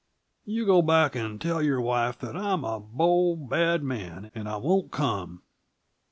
"You go back and tell your wife that I'm a bold, bad man and I won't come."